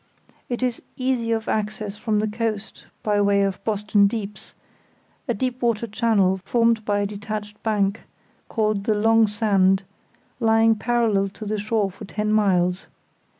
It is easy of access from the east, by way of Boston Deeps, a deep water channel formed by a detached bank, called the Long Sand, lying parallel to the shore for ten miles.